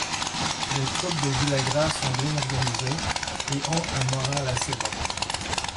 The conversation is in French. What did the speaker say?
Les troupes de Villagra sont bien organisées et ont un moral assez bon.